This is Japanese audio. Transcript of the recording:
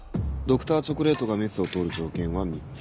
Ｄｒ．チョコレートがメスを執る条件は３つ。